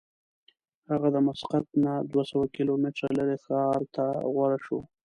هغه د مسقط نه دوه سوه کیلومتره لرې ښار ته غوره شوه.